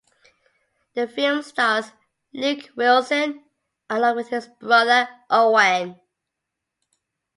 The film stars Luke Wilson, along with his brother Owen.